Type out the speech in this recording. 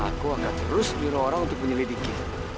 aku agak terus biro orang untuk menyelidiki